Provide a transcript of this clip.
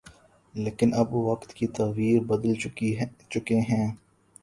لیکن اب وقت کے تیور بدل چکے ہیں۔